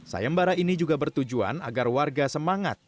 sayembara ini juga bertujuan agar warga semangat